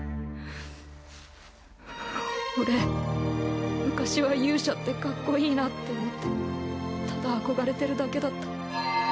俺昔は勇者ってかっこいいなって思ってただ憧れてるだけだった。